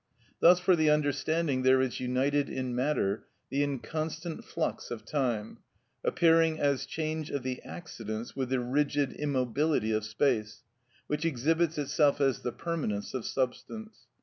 Thus for the understanding there is united in matter the inconstant flux of time, appearing as change of the accidents, with the rigid immobility of space, which exhibits itself as the permanence of substance.